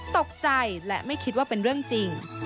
ตกใจและไม่คิดว่าเป็นเรื่องจริง